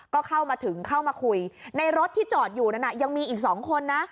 ก็เข้ามาถึงเข้ามาคุยในรถที่จอดอยู่นั้นยังมีอีก๒คนนะ